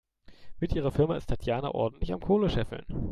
Mit ihrer Firma ist Tatjana ordentlich am Kohle scheffeln.